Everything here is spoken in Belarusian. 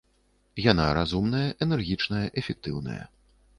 Яна разумная, энергічная, эфектыўная.